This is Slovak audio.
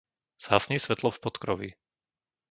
Zhasni svetlo v podkroví.